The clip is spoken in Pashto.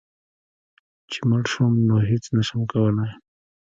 چي مړ شوم نو هيڅ نشم کولی